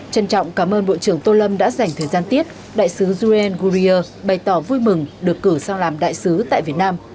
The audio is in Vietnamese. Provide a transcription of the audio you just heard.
trân trọng cảm ơn bộ trưởng tô lâm đã dành thời gian tiết đại sứ juen gurier bày tỏ vui mừng được cử sang làm đại sứ tại việt nam